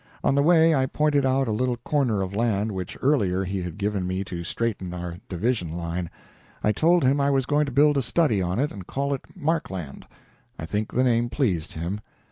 On the way I pointed out a little corner of land which earlier he had given me to straighten our division line. I told him I was going to build a study on it and call it "Markland." I think the name pleased him.